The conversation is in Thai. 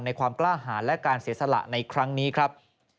ความกล้าหารและการเสียสละในครั้งนี้ครับ